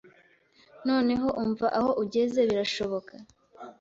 Noneho umva aho ugeze birashoboka?